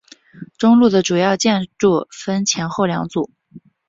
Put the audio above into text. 中路的主要建筑分前后两组。